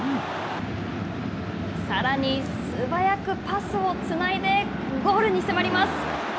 さらに素早くパスをつないでゴールに迫ります。